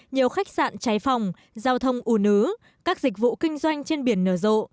nhiều khách sạn cháy phòng giao thông ủ nứ các dịch vụ kinh doanh trên biển nở rộ